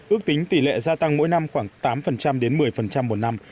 ước tính tỷ lệ gia tăng mỗi năm khoảng tám đến một mươi một năm